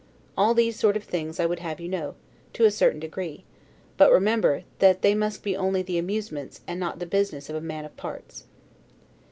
All these sort of things I would have you know, to a certain degree; but remember, that they must only be the amusements, and not the business of a man of parts.